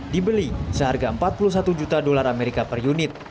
dibeli seharga empat puluh satu juta dolar amerika per unit